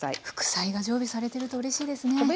副菜が常備されてるとうれしいですね。